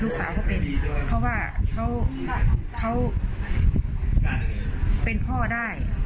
ลูกสาวเขาเป็นเพราะว่าเขาเป็นพ่อได้